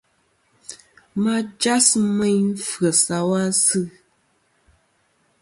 Ma jas meyn f̀yes a va sɨ.